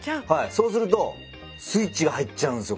そうするとスイッチが入っちゃうんすよ